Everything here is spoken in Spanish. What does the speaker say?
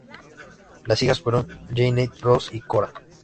Las hijas fueron Jeanette, Rose y Cora.